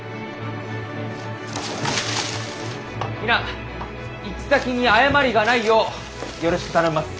皆行き先に誤りがないようよろしく頼みます。